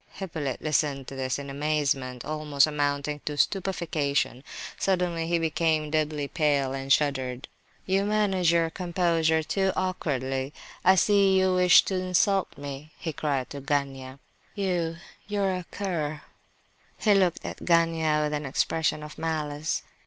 Hippolyte listened to this in amazement, almost amounting to stupefaction. Suddenly he became deadly pale and shuddered. "You manage your composure too awkwardly. I see you wish to insult me," he cried to Gania. "You—you are a cur!" He looked at Gania with an expression of malice.